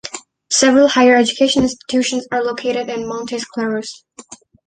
Several higher education institutions are located in Montes Claros.